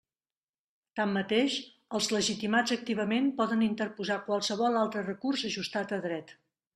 Tanmateix, els legitimats activament poden interposar qualsevol altre recurs ajustat a dret.